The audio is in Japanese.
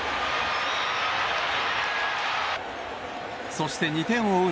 そして２点を追う